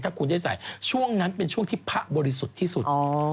ถ้าคุณได้ใส่ช่วงนั้นเป็นช่วงที่พระบริสุทธิ์ที่สุด